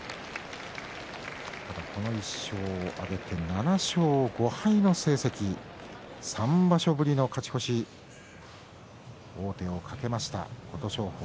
この１勝を挙げて７勝５敗の成績３場所ぶりの勝ち越し王手をかけました琴勝峰。